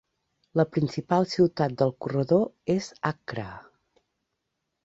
La principal ciutat del corredor és Accra.